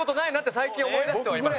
最近は思いだしてはいます。